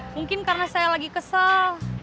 mungkin karena saya lagi kesal